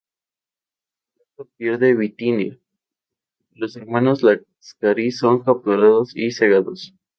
Roberto pierde Bitinia, los hermanos Láscaris son capturados y cegados.